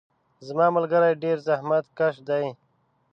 زما ملګري ډیر زحمت کش دي.